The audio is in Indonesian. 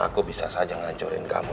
aku bisa saja ngancurin kamu